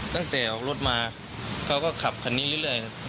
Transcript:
ตั้งแต่ออกรถมาเขาก็ขับคันนี้เรื่อย